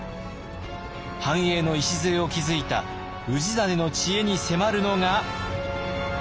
繁栄の礎を築いた氏真の知恵に迫るのが。